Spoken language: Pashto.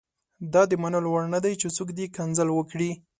دا د منلو وړ نه دي چې څوک دې کنځل وکړي.